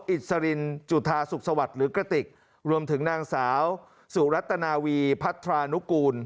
อิสรินจุธาสุขสวัสดิ์หรือกระติกรวมถึงนางสาวสุรัตนาวีพัทรานุกูล